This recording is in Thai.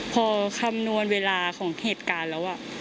พอคำนวณเวลาของเหตุการณ์แล้ว